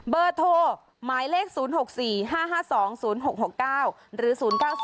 เบอร์โทรหมายเลข๐๖๔๕๕๒๐๖๖๙หรือ๐๙๒